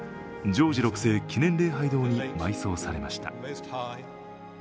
ジョージ６世記念礼拝堂に埋葬されました。